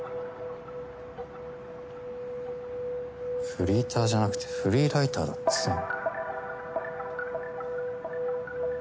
フリーターじゃなくてフリーライターだっつうの。